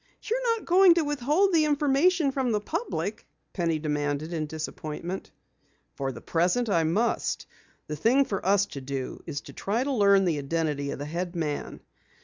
"You're not going to withhold the information from the public?" Penny demanded in disappointment. "For the present, I must. The thing for us to do is to try to learn the identity of the head man.